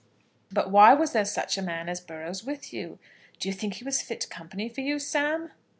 "But why was there such a man as Burrows with you? Do you think he was fit company for you, Sam?"